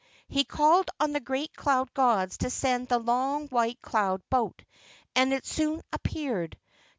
He called on the great cloud gods to send the long white cloud boat, and it soon appeared.